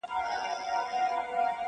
ويل درې مياشتي چي كړې مي نشه ده،